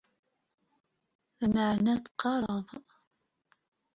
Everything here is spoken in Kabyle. Lameɛna teqqareḍ.